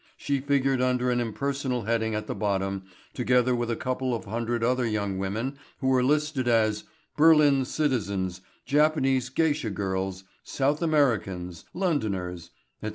She figured under an impersonal heading at the bottom, together with a couple of hundred other young women who were listed as "Berlin citizens, Japanese geisha girls, South Americans, Londoners, etc.